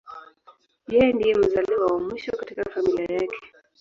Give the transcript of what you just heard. Yeye ndiye mzaliwa wa mwisho katika familia yake.